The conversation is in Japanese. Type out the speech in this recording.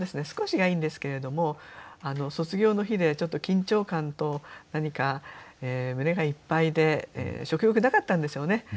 「少し」がいいんですけれども卒業の日でちょっと緊張感と何か胸がいっぱいで食欲なかったんでしょうね。